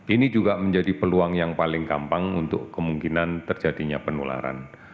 ini juga menjadi peluang yang paling gampang untuk kemungkinan terjadinya penularan